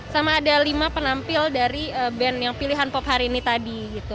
sama ada lima penampil dari band yang pilihan pop hari ini tadi gitu